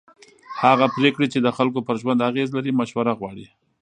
هغه پرېکړې چې د خلکو پر ژوند اغېز لري مشوره غواړي